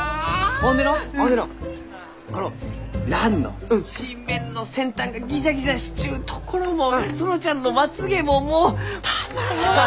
ほんでのうほんでのうこのランの唇弁の先端がギザギザしちゅうところも園ちゃんのまつげももうたまらん！